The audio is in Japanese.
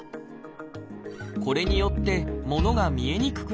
これによって物が見えにくくなってしまいます。